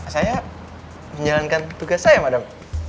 saya menjalankan tugas saya madam